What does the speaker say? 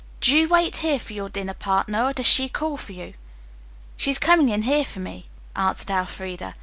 "Do you wait here for your dinner partner or does she call for you?" "She is coming in here for me," answered Elfreda.